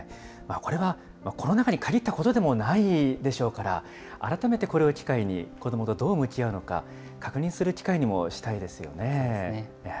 これはコロナ禍にかぎったことでもないでしょうから、改めてこれを機会に、子どもとどう向き合うのか、確認する機会にもしたいですよね。